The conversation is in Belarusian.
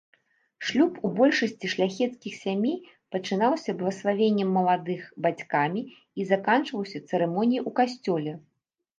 Шлюб у большасці шляхецкіх сямей пачынаўся блаславеннем маладых бацькамі і заканчваўся цырымоніяй у касцёле.